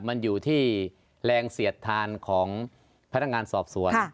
มันอยู่ที่แรงเสียดทานของพนักงานสอบสวน